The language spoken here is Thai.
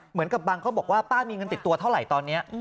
เหมือนกับบางเขาบอกว่าป้ามีเงินติดตัวเท่าไหร่ตอนนี้